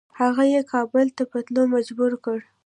هغه یې کابل ته په تللو مجبور کړ.